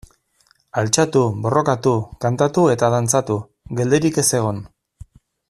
Altxatu, borrokatu, kantatu eta dantzatu, geldirik ez egon.